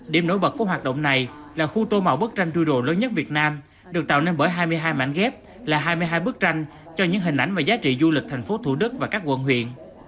điểm nổi bật của hoạt động này là khu tô màu bức tranh dudo lớn nhất việt nam được tạo nên bởi hai mươi hai mảnh ghép là hai mươi hai bức tranh cho những hình ảnh và giá trị du lịch tp thủ đức và các quận huyện